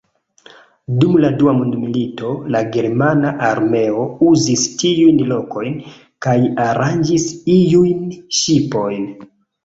Dum la dua mondmilito, la germana armeo uzis tiujn lokojn kaj aranĝis iujn ŝipojn.